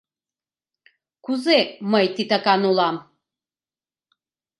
Кузе мый титакан улам?